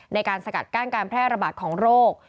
ในการสกัดกั้นการแพร่ระบาดของโรค